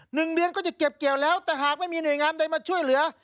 หนึ่งเดือนก็จะเก็บเกี่ยวแล้วแต่หากไม่มีหน่วยงานใดมาช่วยเหลือ